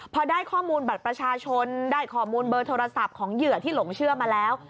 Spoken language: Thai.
พอได้ข้อมูลบัตรประชาชนได้ข้อมูลเบอร์โทรศัพท์ของเหยื่อที่หลงเชื่อมาแล้ว